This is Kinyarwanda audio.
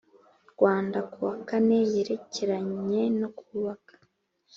Rwanda kuwa kane yerekeranye no kubaka